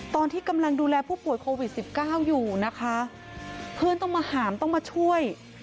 ตอนที่กำลังดูแลผู้ป่วยโควิด๑๙อยู่นะคะเพื่อนต้องมาหามต้องมาช่วย